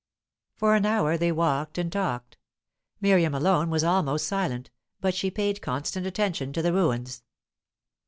For an hour they walked and talked. Miriam alone was almost silent, but she paid constant attention to the ruins.